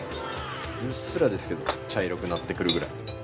◆うっすらですけど、茶色くなってくるぐらい。